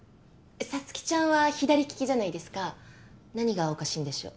皐月ちゃんは左利きです何がおかしいんでしょう？